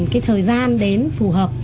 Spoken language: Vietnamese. cái thời gian đến phù hợp